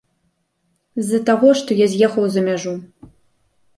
З-за таго, што я з'ехаў за мяжу.